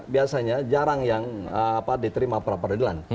biasanya jarang yang diterima peradilan